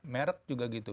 merk juga begitu